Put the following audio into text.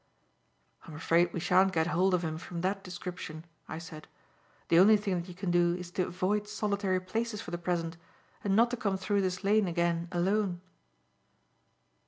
"I'm afraid we shan't get hold of him from that description," I said. "The only thing that you can do is to avoid solitary places for the present and not to come through this lane again alone."